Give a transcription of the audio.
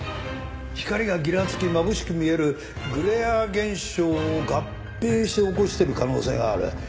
光がぎらつきまぶしく見えるグレア現象を合併して起こしている可能性がある。